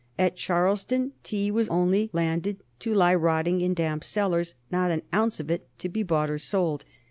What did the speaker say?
At Charleston tea was only landed to lie rotting in damp cellars, not an ounce of it to be bought or sold.